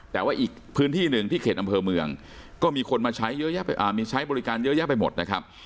แต่ว่าอีกพื้นที่หนึ่งที่เขตอำเภอเมืองก็มีคนมาใช้มีใช้บริการเยอะแยะไปหมดนะครับ